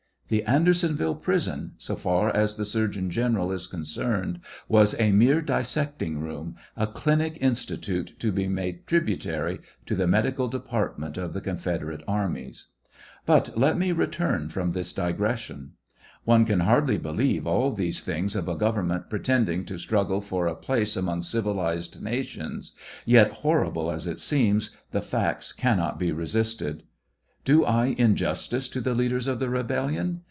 The Andersonville prison, so far as the surgeon general is concerned, was a mere dissecting room, a 'clinic institute to be made tributary to the medical department of the confederate armies. But let me return from this digression. One can hardly believe all these things of a government pretending to struggle for a place among civilized nations, yet horrible as it seems, the facts cannot be ' resisted. Do I injustice to the leaders of the rebellion